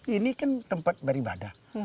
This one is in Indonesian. ini kan tempat beribadah